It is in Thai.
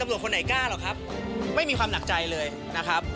ไม่มีความหลักใจเลยนะครับ